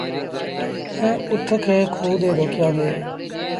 ائيٚݩ اُٺ کي کوه تي روڪيآݩدي۔